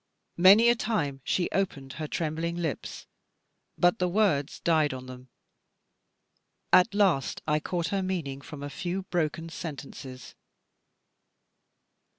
Many a time she opened her trembling lips, but the words died on them. At last I caught her meaning from a few broken sentences.